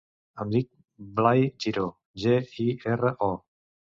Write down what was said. Em dic Blai Giro: ge, i, erra, o.